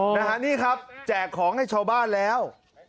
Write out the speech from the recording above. นะฮะนี่ครับแจกของให้ชาวบ้านแล้ว